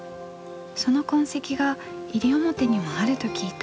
その痕跡が西表にもあると聞いた。